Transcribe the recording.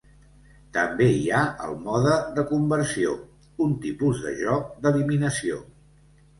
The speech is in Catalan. També hi ha el mode de conversió, un tipus de joc d'eliminació.